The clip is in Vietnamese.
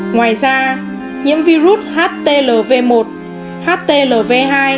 ngoài ra nhiễm virus htlv một htlv hai